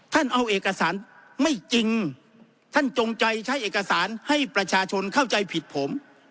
ท่านเอาเอกสารไม่จริงท่านจงใจใช้เอกสารให้ประชาชนเข้าใจผิดผม